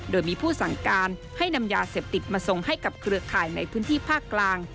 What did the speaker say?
โดยมีผู้สั่งการให้นำยาเสพติดมาส่งให้กับเครือข่ายในพื้นที่ภาคกลาง